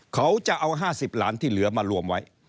เขาจะเอา๕๐ล้านที่เหลือมารวมไว้